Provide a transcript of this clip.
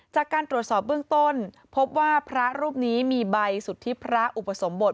จากการตรวจสอบเบื้องต้นพบว่าพระรูปนี้มีใบสุทธิพระอุปสมบท